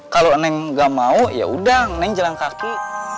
kalau neng gak mau yaudah neneng jalan kaki